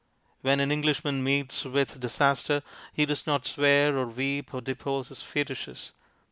When an Englishman meets with 207 208 MONOLOGUES disaster he does not swear or weep or de pose his fetishes.